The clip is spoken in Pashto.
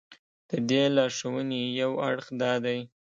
د دې لارښوونې یو اړخ دا دی.